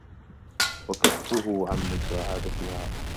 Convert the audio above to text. وَكَفُّهُ عَنْ مُسَاعَدَتِهَا